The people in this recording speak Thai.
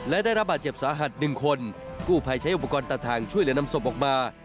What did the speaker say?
และได้รับบาดเจ็บสาหัสหนึ่งคนกู้ภัยใช้อุปกรณ์ตัดทางช่วยเหลือนำศพออกมา